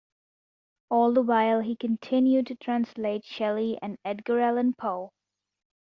All the while he continued to translate Shelley and Edgar Allan Poe.